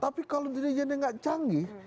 tapi kalau diri jennya nggak canggih